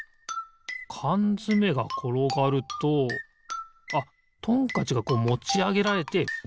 かんづめがころがるとあっトンカチがこうもちあげられてむこうがわにたおれんだ。